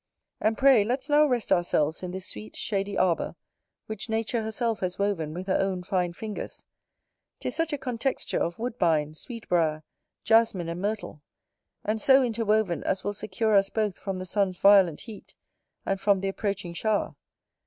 And pray let's now rest ourselves in this sweet shady arbour, which nature herself has woven with her own fine fingers; 'tis such a contexture of woodbines, sweetbriar, jasmine, and myrtle; and so interwoven, as will secure us both from the sun's violent heat, and from the approaching shower.